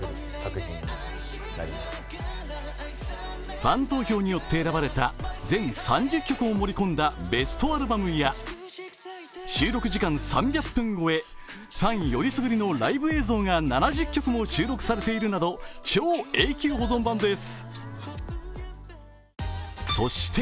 ファン投票によって選ばれた全３０曲を盛り込んだベストアルバムや収録時間３００分超え、ファン選りすぐりのライブ映像が７０曲も収録されているなど超永久保存版です。